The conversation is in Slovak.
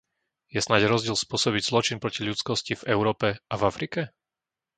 Je snáď rozdiel spôsobiť zločin proti ľudskosti v Európe a v Afrike?